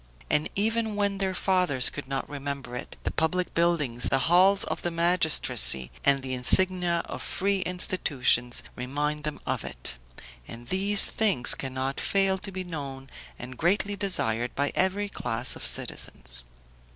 And even when their fathers could not remember it, the public buildings, the halls of the magistracy, and the insignia of free institutions, remind them of it; and these things cannot fail to be known and greatly desired by every class of citizens.